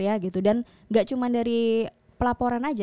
dan tidak hanya dari pelaporan saja